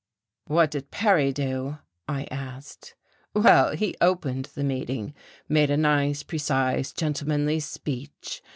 "What did Perry do?" I asked. "Well, he opened the meeting, made a nice, precise, gentlemanly speech.